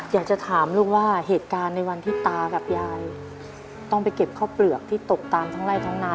อยากจะถามลูกว่าเหตุการณ์ในวันที่ตากับยายต้องไปเก็บข้าวเปลือกที่ตกตามท้องไล่ทั้งนา